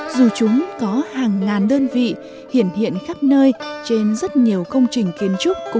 dù chúng có hàng ngàn đơn vị hiện hiện khắp nơi trên rất nhiều công trình kiến trúc